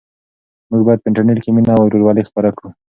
موږ باید په انټرنيټ کې مینه او ورورولي خپره کړو.